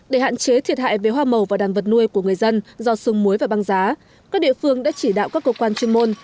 để hạn chế thiệt hại về hoa màu và đàn vật nuôi của người dân do sương muối và băng giá các địa phương đã chỉ đạo các cơ quan chuyên môn